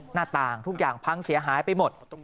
หน้าต่างทุกอย่างพังเสียหายไปหมด